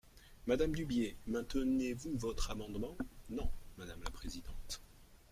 Madame Dubié, maintenez-vous votre amendement ? Non, madame la présidente.